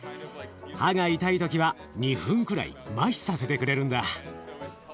歯が痛い時は２分くらいまひさせてくれるんだ。